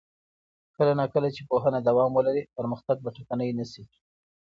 کله نا کله چې پوهنه دوام ولري، پرمختګ به ټکنی نه شي.